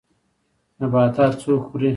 نباتات څوک خوري